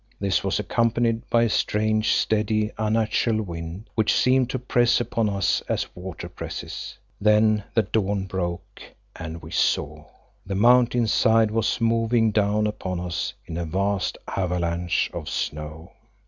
This was accompanied by a strange, steady, unnatural wind, which seemed to press upon us as water presses. Then the dawn broke and we saw. The mountain side was moving down upon us in a vast avalanche of snow.